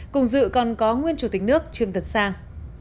cùng dự còn có nguyên chủ tịch nước trương tấn sang